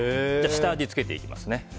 下味をつけていきますね。